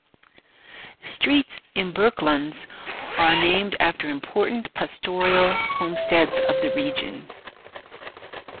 Streets in Bourkelands are named after 'Important pastoral homesteads of the region'.